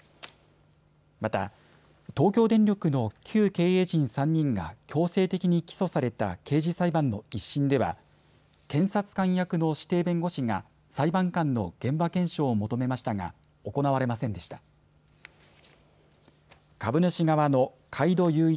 また東京電力の旧経営陣３人が強制的に起訴された刑事裁判の１審では検察官役の指定弁護士が裁判官の現場検証を求めましたが行われませんでした。